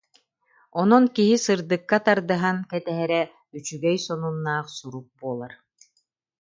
Онон киһи сырдыкка тардыһан кэтэһэрэ үчүгэй сонуннаах сурук буолар